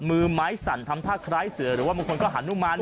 มือไม้สั่นทำท่าคล้ายเสือหรือว่าบางคนก็หานุมาน